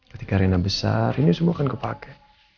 ketika riana besar ini semua kan kepake